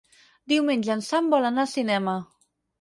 Diumenge en Sam vol anar al cinema.